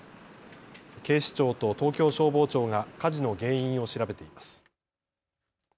警視庁と東京消防庁が火事の原因を調べています。